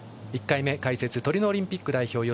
１回目、解説トリノオリンピック代表